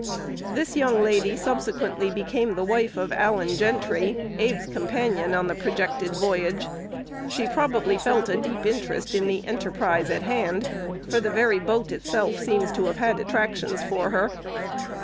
This young lady subsequently became the wife of Allen Gentry, Abe's companion in the projected voyage. She probably felt a deep interest in the enterprise in hand, for the very boat itself seems to have had attractions for her.